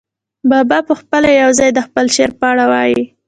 بابا پخپله یو ځای د خپل شعر په اړه وايي.